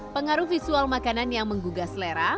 pengaruh visual makanan yang menggugah selera